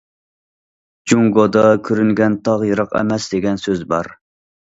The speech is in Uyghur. جۇڭگودا كۆرۈنگەن تاغ يىراق ئەمەس دېگەن سۆز بار.